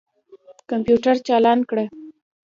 کمپیوټر چالان کړه.